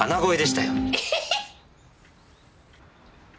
エヘヘ！